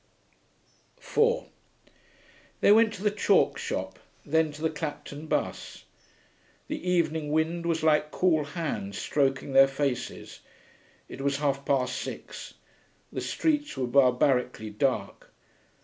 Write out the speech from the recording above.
4 They went to the chalk shop, then to the Clapton bus. The evening wind was like cool hands stroking their faces. It was half past six. The streets were barbarically dark.